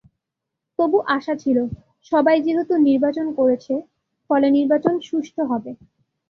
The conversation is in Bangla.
তবু আশা ছিল, সবাই যেহেতু নির্বাচন করছে, ফলে নির্বাচন সুষ্ঠু হবে।